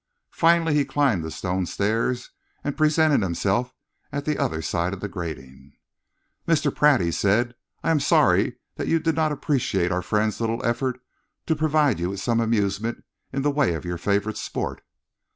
Finally he climbed the stone stairs and presented himself at the other side of the grating. "Mr. Pratt," he said, "I am sorry that you did not appreciate our friends' little effort to provide you with some amusement in the way of your favourite sport."